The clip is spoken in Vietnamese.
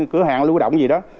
cửa hàng lưu động gì đó